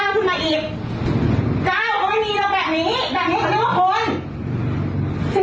เวลามาก็มาดีนี่